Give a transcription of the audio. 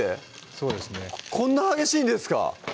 そうですねこんな激しいんですか？